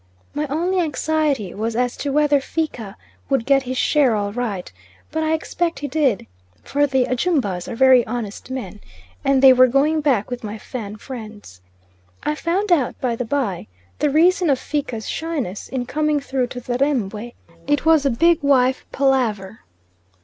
My only anxiety was as to whether Fika would get his share all right; but I expect he did, for the Ajumbas are very honest men; and they were going back with my Fan friends. I found out, by the by, the reason of Fika's shyness in coming through to the Rembwe; it was a big wife palaver.